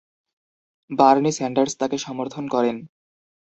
Bernie Sanders তাকে সমর্থন করেন।